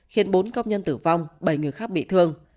khiến bốn công nhân tử vong bảy người khác bị thương